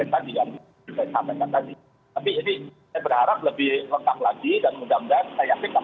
terima kasih pak